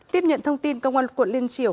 tiếp nhận thông tin công an quận liên triều